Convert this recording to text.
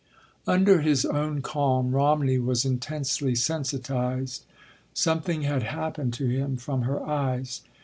Under his own calm, Romney was intensely sensitized. Something had happened to him from her eyes.